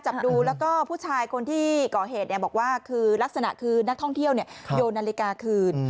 จับดูแล้วก็ผู้ชายคนที่ก่อเหตุบอกว่าคือลักษณะคือนักท่องเที่ยวโยนนาฬิกาคืน